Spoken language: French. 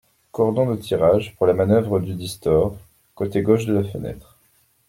Cordon de tirage, pour la manœuvre dudit store, côté gauche de la fenêtre.